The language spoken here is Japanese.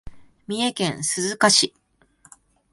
三重県鈴鹿市